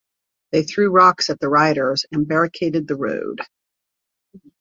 They threw rocks at the riders, and barricaded the road.